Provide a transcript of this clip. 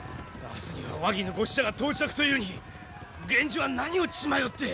明日には和議のご使者が到着というに源氏は何を血迷って。